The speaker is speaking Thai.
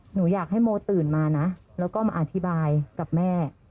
หนูอยากให้โมตื่นมานะแล้วก็มาอธิบายกับแม่